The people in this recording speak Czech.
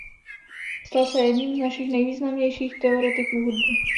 Stal se jedním z našich nejvýznamnějších teoretiků hudby.